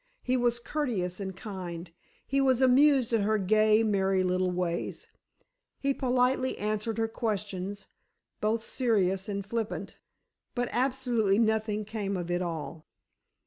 He was courteous and kind; he was amused at her gay, merry little ways; he politely answered her questions, both serious and flippant, but absolutely nothing came of it all.